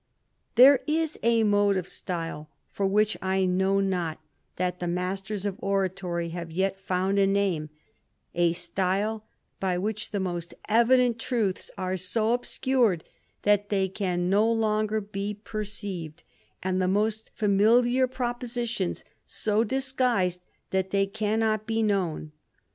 There is a mode of style for which I know not that the sters of oratory have yet found a name ; a style by which • most evident truths are so obscured, that they can no ger be perceived, and the most familiar propositions so guised that they cannot be known.